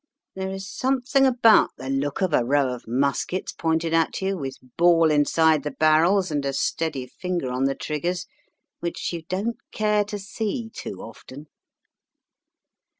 There is something about the look of a row of muskets pointed at you, with ball inside the barrels and a steady finger on the triggers, which you don't care to see too often.